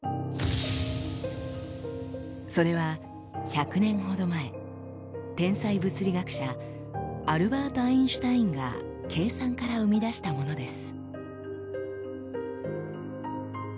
それは１００年ほど前天才物理学者アルバート・アインシュタインが計算から生み出したものです。